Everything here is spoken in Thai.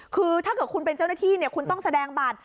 คือถ้าเกิดคุณเป็นเจ้าหน้าที่คุณต้องแสดงบัตร